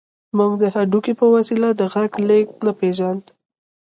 موږ د هډوکي په وسیله د غږ لېږد نه پېژانده